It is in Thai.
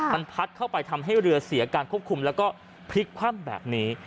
มันพัดเข้าไปทำให้เรือเสียการควบคุมแล้วก็พลิกคว่ำแบบนี้